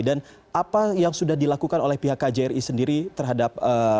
dan apa yang sudah dilakukan oleh pihak kjri sendiri terhadap